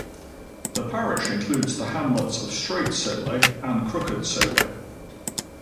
The parish includes the hamlets of Straight Soley and Crooked Soley.